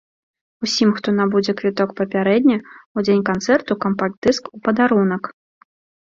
Усім, хто набудзе квіток папярэдне, у дзень канцэрту кампакт-дыск у падарунак!